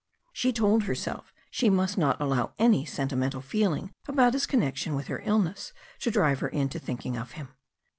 She told herself she must not allow any sentimental feeling about his connection with her illness to drive her into thinking of him.